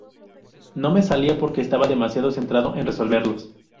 No me salía porque estaba demasiado centrado en resolverlos.